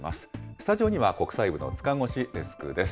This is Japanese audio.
スタジオには国際部の塚越デスクです。